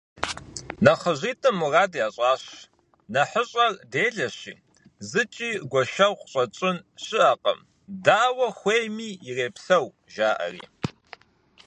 НэхъыжьитӀым мурад ящӀащ: «НэхъыщӀэр делэщи, зыкӀи гуэшэгъу щӀэтщӀын щыӀэкъым, дауэ хуейми ирепсэу», – жаӀэри.